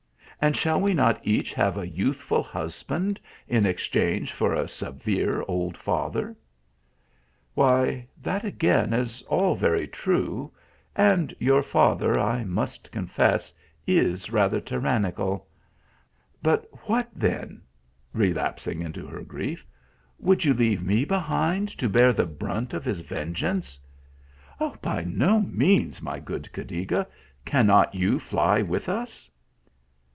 and shall we not each have a youthful husband in ex change for a severe old father ?"" Why, that again is all very true and your father, I must confess, is rather tyrannical. But what then" relapsing into her grief " would you leave me be hind to bear the brunt of his vengeance ?"" By no means, my good Cadiga. Cannot you fly with us?